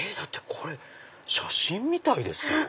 これ写真みたいですよ。